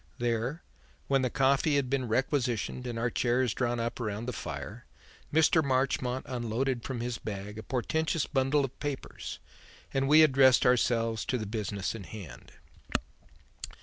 There, when the coffee had been requisitioned and our chairs drawn up around the fire, Mr. Marchmont unloaded from his bag a portentous bundle of papers, and we addressed ourselves to the business in hand.